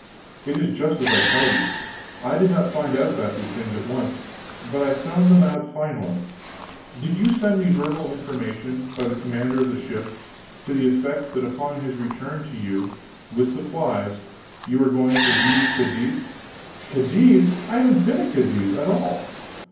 "It is just as I tell you. I did not find out these things at once, but I found them out finally. Did you send me verbal information, by the commander of the ship, to the effect that upon his return to you, with supplies, you were going to leave Cadiz " "Cadiz! I haven't been at Cadiz at all!"